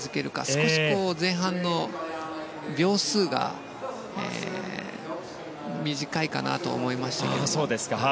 少し前半の秒数が短いかなと思いましたけど。